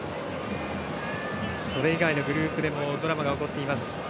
それ以外のグループでもドラマが起こっています。